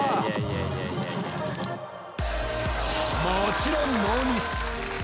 もちろんノーミス